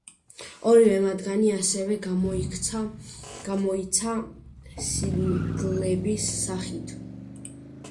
ორივე მათგანი ასევე გამოიცა სინგლების სახით.